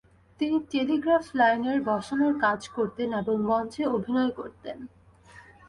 তিনি telegraph line বসানোর কাজ করতেন এবং মঞ্চে অভিনয় করতেন।